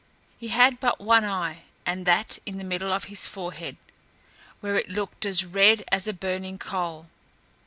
He had but one eye, and that in the middle of his forehead, where it looked as red as a burning coal.